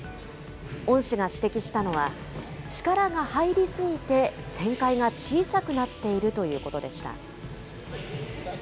恩師が指摘したのは、力が入り過ぎて旋回が小さくなっているということでした。